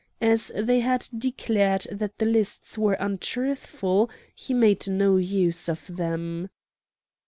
As they had declared that the lists were untruthful, he made no use of them.